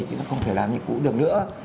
chứ nó không thể làm như cũ được nữa